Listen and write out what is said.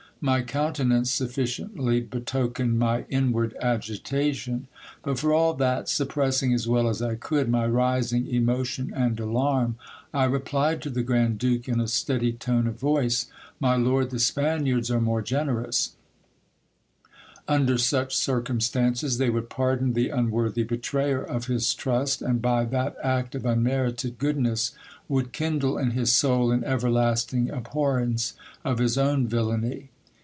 My countenance sufficiently betokened my inward agitation. But for all that, suppressing as well as I could my rising GIL BLAS. emotion and alarm, I replied to the grand duke in a steady tone of voice — My lord, the Spaniards are more generous ; under such circumstances, they would pardon the unworthy betrayer of his trust, and by that act of unmerited good ness would kindle in his soul an everlasting abhorrence of his own villany.